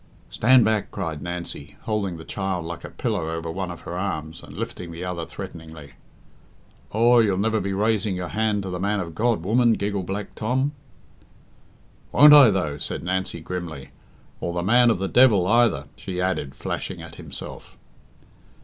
"Stand back," cried Nancy, holding the child like a pillow over one of her arms, and lifting the other threateningly. "Aw, you'll never be raising your hand to the man of God, woman," giggled Black Tom. "Won't I, though?" said Nancy grimly, "or the man of the devil either," she added, flashing at himself.